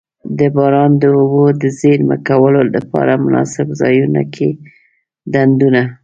د باران د اوبو د زیرمه کولو دپاره مناسب ځایونو کی ډنډونه.